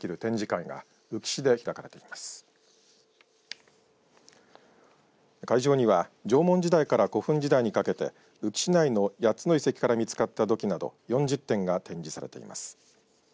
会場には縄文時代から古墳時代にかけて宇城市内の８つの遺跡から見つかった土器など４０点が展示されています。